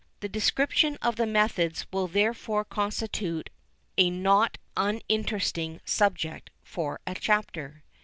The description of the methods will therefore constitute a not uninteresting subject for a chapter.